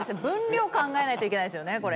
分量考えないといけないですよね